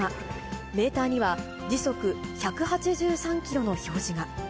メーターには時速１８３キロの表示が。